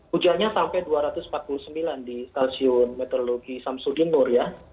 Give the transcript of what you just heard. hujannya sampai dua ratus empat puluh sembilan di stasiun meteorologi samsudin nur ya